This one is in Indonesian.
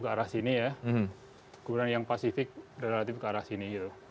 kemudian yang pasifik relatif ke arah sini